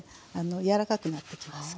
柔らかくなってきますから。